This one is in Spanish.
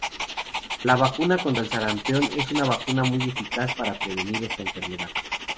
La vacuna contra el sarampión es una vacuna muy eficaz para prevenir esta enfermedad.